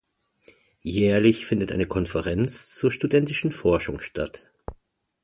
Jährlich findet eine Konferenz zur studentischen Forschung statt.